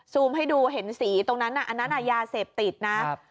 ให้ดูเห็นสีตรงนั้นอันนั้นยาเสพติดนะ